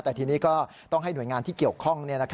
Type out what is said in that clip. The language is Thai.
แต่ทีนี้ก็ต้องให้หน่วยงานที่เกี่ยวข้อง